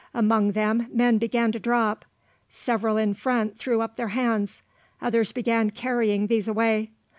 Among them men began to drop. Several in front threw up their hands; others began carrying these away.